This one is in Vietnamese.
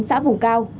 bốn xã vùng cao